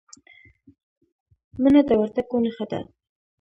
مڼه د وردګو نښه ده.